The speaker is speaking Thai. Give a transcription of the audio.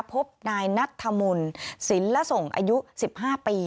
พบนายนัทธรรมน์ศิลละสงฆ์อายุ๑๕ปี